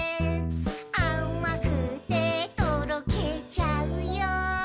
「あまくてとろけちゃうよ」